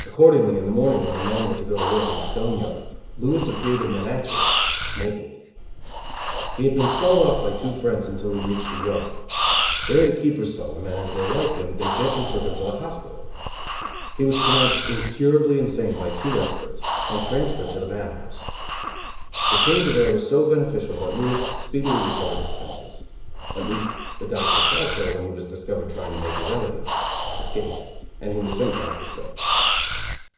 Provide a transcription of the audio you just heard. Accordingly in the morning when the men were to go to work in the stone yard, Billy appeared in the natural (naked). He had been stalled off by two friends until he had reached the yard. There the keepers saw him, and as they liked him, they gently took him to the hospital. He was pronounced incurably insane by two experts, and transferred to the madhouse. The change of air was so beneficial that Louis speedily recovered his senses. At least, the doctors thought so when he was discovered trying to make his elegant (escape); and he was sent back to stir.